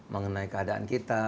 mengenai keadaan kita